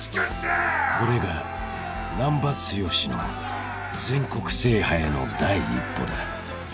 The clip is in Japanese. ［これが難破剛の全国制覇への第一歩だ］